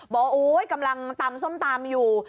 โอ๊ยกำลังตำส้มตำอยู่